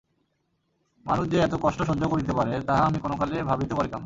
মানুষ যে এত কষ্ট সহ্য করিতে পারে, তাহা আমি কোনোকালে ভাবিতেও পারিতাম না।